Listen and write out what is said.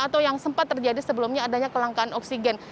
atau yang sempat terjadi sebelumnya adanya kelangkaan oksigen